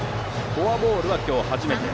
フォアボールは今日初めて。